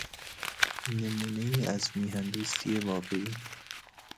نمونهای از میهندوستی واقعی